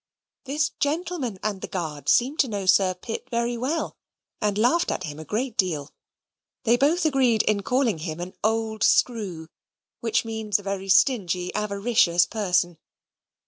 This gentleman and the guard seemed to know Sir Pitt very well, and laughed at him a great deal. They both agreed in calling him an old screw; which means a very stingy, avaricious person.